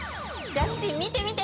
ジャスティン見て見て！